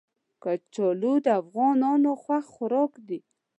کچالو د افغانانو خوښ خوراک دی